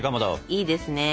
いいですね。